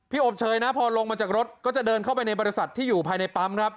อบเชยนะพอลงมาจากรถก็จะเดินเข้าไปในบริษัทที่อยู่ภายในปั๊มครับ